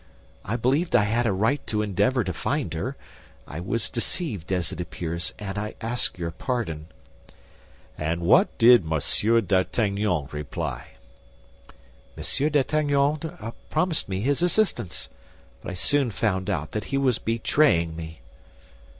I believed I had a right to endeavor to find her. I was deceived, as it appears, and I ask your pardon." "And what did Monsieur d'Artagnan reply?" "Monsieur d'Artagnan promised me his assistance; but I soon found out that he was betraying me."